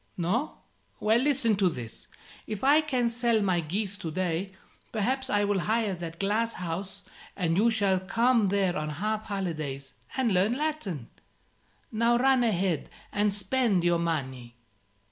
No? Well, listen to this: if I can sell my geese to day, perhaps I will hire that glass house, and you shall come there on half holidays, and learn Latin. Now run ahead and spend your money."